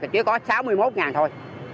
chỉ có sáu mươi một đồng thôi